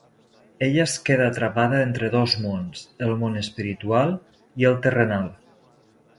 Ella es queda atrapada entre dos mons, el món espiritual i el terrenal.